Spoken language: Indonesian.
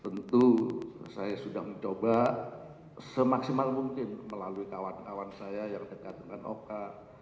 tentu saya sudah mencoba semaksimal mungkin melalui kawan kawan saya yang dekat dengan oka